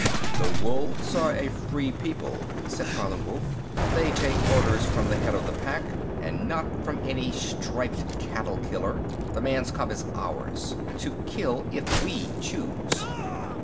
"The Wolves are a free people," said Father Wolf. "They take orders from the Head of the Pack, and not from any striped cattle killer. The man's cub is ours to kill if we choose."